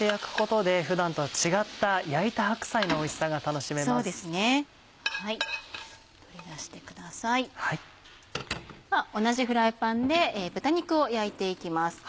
では同じフライパンで豚肉を焼いていきます。